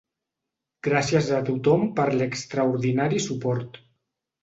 Gràcies a tothom per l'extraordinari suport.